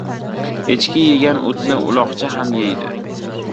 • Echki yegan o‘tni uloqcha ham yeydi.